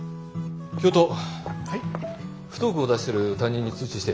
不登校を出してる担任に通知して。